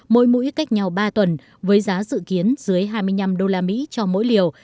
mỗi mũi cách nhau ba tuần với giá dự kiến dưới hai mươi năm đô la mỹ cho mỗi liều